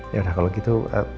ya allah kalau gitu